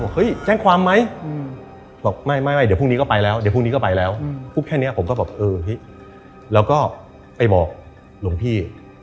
แจ้งความไหมบอกไม่เดี๋ยวพรุ่งนี้ก็ไปแล้วเดี๋ยวพรุ่งนี้ก็ไปแล้วพูดแค่นี้ผมก็บอกเออเฮ้ยแล้วก็ไปบอกหลวงพี่